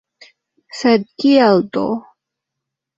Sed kial do?